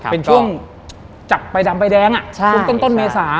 เป็นช่วงจับใบดำใบแดงช่วงต้นเมษา